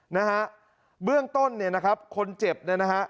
นะฮะเบื้องต้นเนี่ยนะครับคนเจ็บเนี่ยนะฮะ